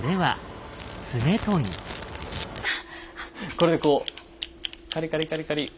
これでこうカリカリカリカリ。